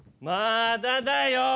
まあだだよ。